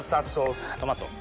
トマト。